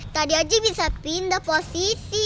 tadi aji bisa pindah posisi